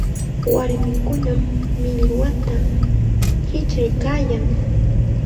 Warmikunam millwata hichiykaayan.